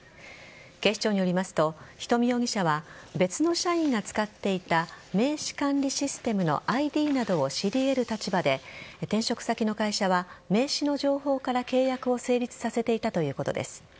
警視庁によりますと人見容疑者は別の社員が使っていた名刺管理システムのＩＤなどを知り得る立場で転職先の会社は名刺の情報から契約を成立させていたということです。